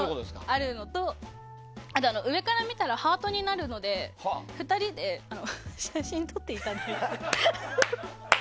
あるのと、上から見たらハートになるので２人で写真撮っていただいて。